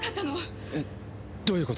えどういう事？